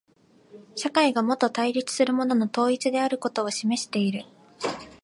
社会がもと対立するものの統一であることを示している。